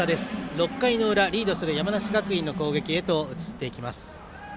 ６回の裏、リードする山梨学院の攻撃へと移っていきます。